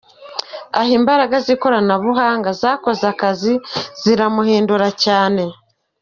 Aha imbaraga z’ikoranabunga zakoze akazi ziramuhindura cyane .